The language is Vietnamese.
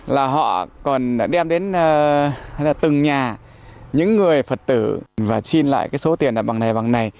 là họ còn đem đến từng nhà những người phật tử và xin lại cái số tiền đặt bằng này bằng này